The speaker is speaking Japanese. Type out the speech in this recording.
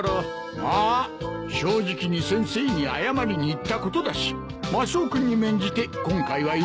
まあ正直に先生に謝りに行ったことだしマスオ君に免じて今回は許すとしよう。